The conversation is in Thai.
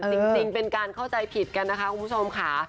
จริงเป็นการเข้าใจผิดกันนะคะคุณผู้ชมค่ะ